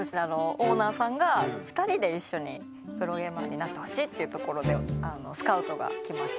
オーナーさんが２人で一緒にプロゲーマーになってほしいっていうところでスカウトがきまして。